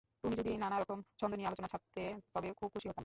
তুমি যদি নানা রকম ছন্দ নিয়ে আলোচনা ছাপতে, তবে খুব খুশি হতাম।